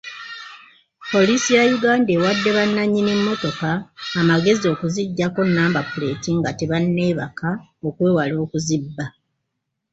Poliisi ya Uganda ewadde bannanyini mmotoka amagezi okuzijjako namba puleti nga tebanneebaka okwewala okuzibba.